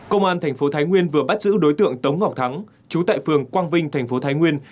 công an tp thái nguyên vừa bắt giữ đối tượng tống ngọc thắng chú tại phường quang vinh tp thái nguyên